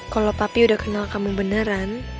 kalau papi udah kenal kamu beneran